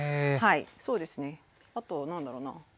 そうですねあとは何だろうな。